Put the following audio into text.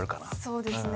そうですね。